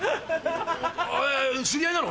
知り合いなの？